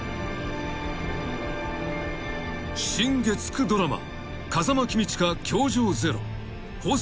［新月９ドラマ］